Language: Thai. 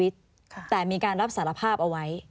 แต่มีการรับสารภาพเอาไว้